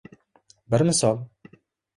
Bir misol.